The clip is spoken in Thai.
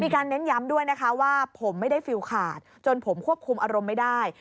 เน้นย้ำด้วยนะคะว่าผมไม่ได้ฟิลขาดจนผมควบคุมอารมณ์ไม่ได้